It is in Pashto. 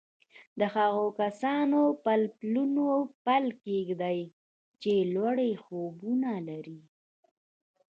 د هغو کسانو پر پلونو پل کېږدئ چې لوړ خوبونه لري